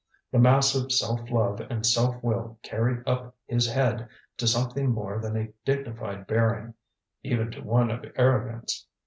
The massive self love and self will carried up his head to something more than a dignified bearing even to one of arrogance.